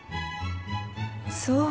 そう。